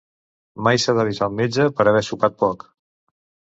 Mai s'ha d'avisar el metge per haver sopat poc.